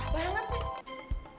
kenapa banget sih